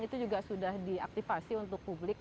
itu juga sudah diaktifasi untuk publik